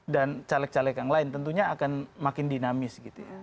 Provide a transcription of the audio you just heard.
dan caleg caleg yang lain tentunya akan makin dinamis gitu ya